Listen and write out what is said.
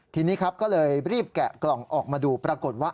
ทีนี้ครับก็เลยรีบแกะกล่องออกมาดูปรากฏว่า